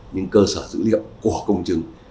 nhưng cơ sở dữ liệu của công chứng